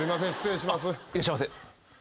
いらっしゃいませ。